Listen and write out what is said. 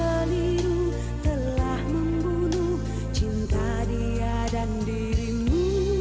namun ku keliru telah membunuh cinta dia dan dirimu